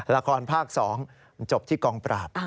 ละครภาค๒จบที่กองปราบ